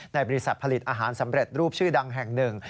ในบริษัทผลิตอาหารสำเร็จรูปชื่อดังแห่งหนึ่ง